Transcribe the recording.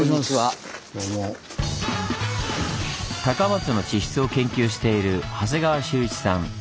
高松の地質を研究している長谷川修一さん。